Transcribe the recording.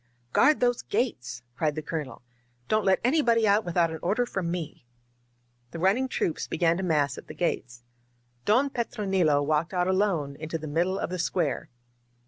"Guard those gates!" cried the Colonel. "Don't let anybody out without an order from me!*' The run ning troops began to mass at the gates. Don Petro* nilo walked out alone into the middle of the square.